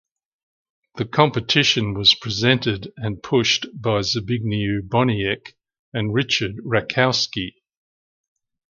The competition was presented and pushed by Zbigniew Boniek and Richard Raczkowski.